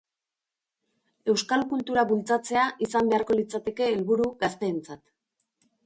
Euskal kultura bultzatzea izan beharko litzateke helburu gazteentzat.